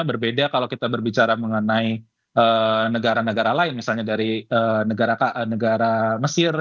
berbeda kalau kita berbicara mengenai negara negara lain misalnya dari negara mesir